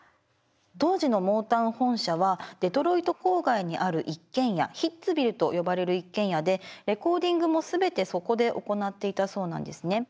当時のモータウン本社はデトロイト郊外にある一軒家ヒッツヴィルと呼ばれる一軒家でレコーディングも全てそこで行っていたそうなんですね。